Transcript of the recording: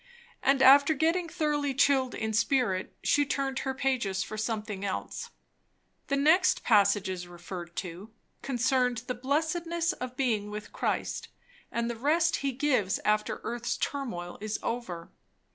And after getting thoroughly chilled in spirit, she turned her pages for something else. The next passages referred to concerned the blessedness of being with Christ, and the rest he gives after earth's turmoil is over.